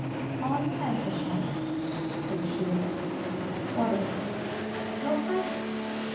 "On the mantelshelf!" said she. "What is?" "Your pipe!"